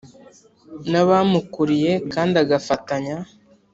n abamukuriye kandi agafatanya